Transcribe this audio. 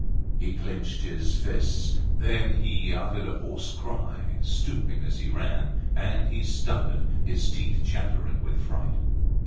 He clinched his fists; then he uttered a hoarse cry, stooping as he ran. And he stuttered, his teeth chattering with fright.